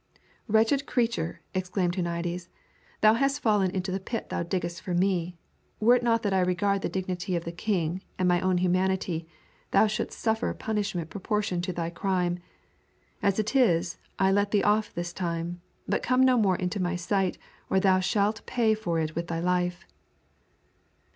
"Wretched creature!" exclaimed Huniades; "thou hast fallen into the pit thou diggedst for me; were it not that I regard the dignity of the king and my own humanity, thou shouldst suffer a punishment proportioned to thy crime. As it is, I let thee off this time, but come no more into my sight or thou shalt pay for it with thy life."